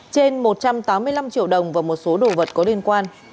trên một trăm tám mươi năm triệu đồng và một số đồ vật có liên quan